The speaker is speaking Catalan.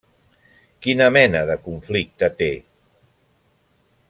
Quina mena de conflicte té?